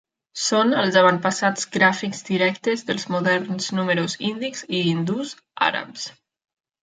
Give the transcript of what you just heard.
Són els avantpassats gràfics directes dels moderns números índics i hindús-àrabs.